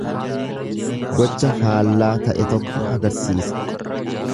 Gocha faallaa ta'e tokko agarsiisa.